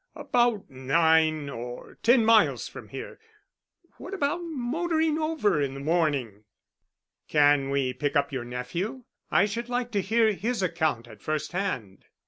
"About nine or ten miles from here. What about motoring over in the morning?" "Can we pick up your nephew? I should like to hear his account at first hand."